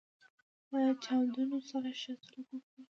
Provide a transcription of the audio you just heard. له چاونډیانو سره ښه سلوک وکړه.